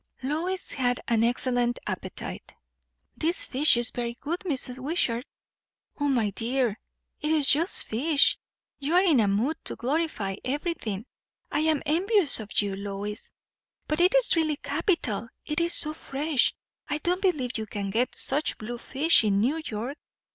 Lois had an excellent appetite. "This fish is very good, Mrs. Wishart." "O my dear, it is just fish! You are in a mood to glorify everything. I am envious of you, Lois." "But it is really capital; it is so fresh. I don't believe you can get such blue fish in New York."